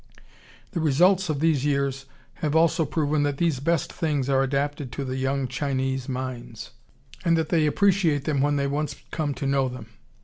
The results of these years have also proven that these best things are adapted to the young Chinese minds, and that they appreciate them when they once come to know them.